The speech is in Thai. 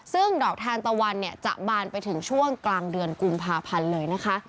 ซึ่งดอกทานตะวันเนี่ยจะบานไปถึงช่วงกลางเดือนกุมภาพันธ์เลยนะคะ